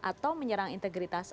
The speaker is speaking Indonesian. atau menyerang integritas